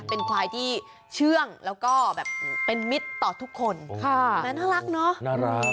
เป็นควายที่เชื่องแล้วก็แบบมิดต่อทุกคน